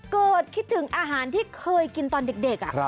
คิดถึงอาหารที่เคยกินตอนเด็ก